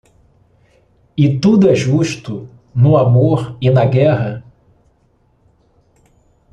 E tudo é justo no amor e na guerra?